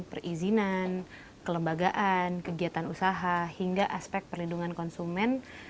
perizinan kelembagaan kegiatan usaha hingga aspek perlindungan konsumen